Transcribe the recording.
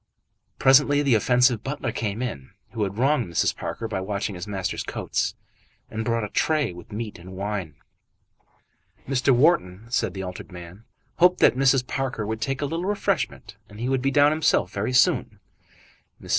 Presently the offensive butler came in, who had wronged Mrs. Parker by watching his master's coats, and brought a tray with meat and wine. Mr. Wharton, said the altered man, hoped that Mrs. Parker would take a little refreshment, and he would be down himself very soon. Mrs.